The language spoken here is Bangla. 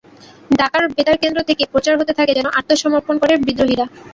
ঢাকার বেতার কেন্দ্র থেকে প্রচার হতে থাকে, যেন আত্মসমর্পণ করে বিদ্রোহীরা।